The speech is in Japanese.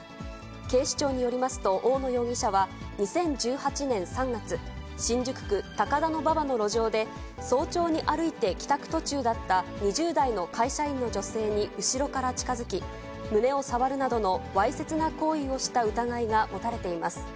警視庁によりますと、大野容疑者は２０１８年３月、新宿区高田馬場の路上で、早朝に歩いて帰宅途中だった２０代の会社員の女性に後ろから近づき、胸を触るなどのわいせつな行為をした疑いが持たれています。